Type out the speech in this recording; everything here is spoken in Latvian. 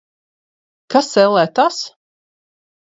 Kas, ellē, tas?